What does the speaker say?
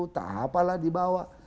tak apalah dibawa